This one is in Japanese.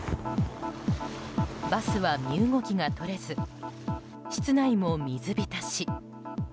バスは身動きがとれず室内も水浸し。